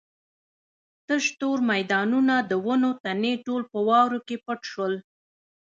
تش تور میدانونه د ونو تنې ټول په واورو کې پټ شول.